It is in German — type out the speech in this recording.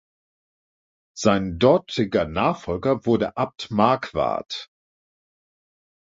Sein dortiger Nachfolger wurde Abt Markward.